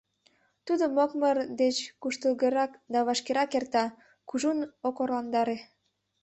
Тудо мокмыр деч куштылгынрак да вашкерак эрта, кужун ок орландаре.